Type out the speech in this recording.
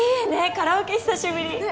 カラオケ久しぶりねっ